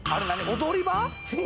踊り場？